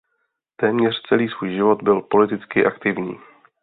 Téměř celý svůj život byl politicky aktivní.